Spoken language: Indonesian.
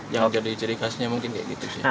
yang jadi ciri khasnya mungkin kayak gitu sih